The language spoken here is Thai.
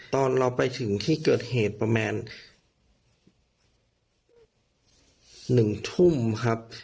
ตอนเราไปถึงที่เกิดเหตุประมาณ๑ทุ่มครับ